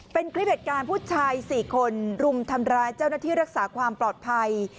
เป็นคลิปเหตุการณ์ผู้ชาย๔คนรุมทำร้ายเจ้าหน้าที่รักษาความปลอดภัย